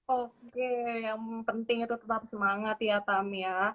oke yang penting itu tetap semangat ya tam ya